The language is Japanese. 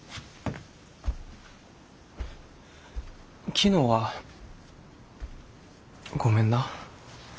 昨日はごめんな。